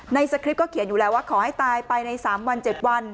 สคริปก็เขียนอยู่แล้วว่าขอให้ตายไปใน๓วัน๗วัน